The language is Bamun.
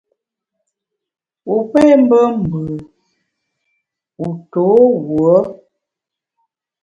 Wu pé mbe mbù, mbu wu to wuo ?